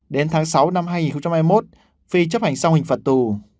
đến tháng sáu năm hai nghìn hai mươi một phi chấp hành xong hình phạt tù